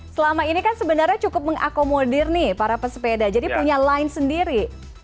selama ini kan sebenarnya cukup mengakomodir nih para pesepeda jadi punya line sendiri